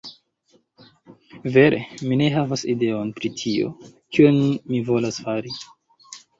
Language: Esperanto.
Vere, mi ne havas ideon, pri tio, kion mi volas fari.